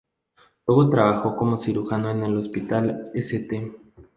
Luego trabajó como cirujano en el Hospital St.